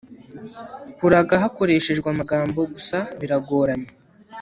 kuraga hakoreshejwe amagambo gusa biragoranye